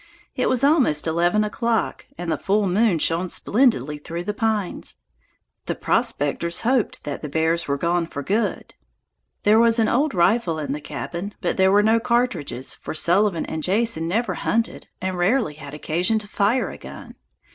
It was almost eleven o'clock, and the full moon shone splendidly through the pines. The prospectors hoped that the bears were gone for good. There was an old rifle in the cabin, but there were no cartridges, for Sullivan and Jason never hunted and rarely had occasion to fire a gun.